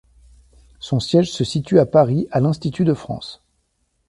Son siège se situe à Paris, à l'Institut de France.